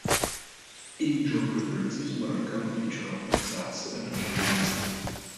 In-joke references were a common feature of LucasArts adventure games.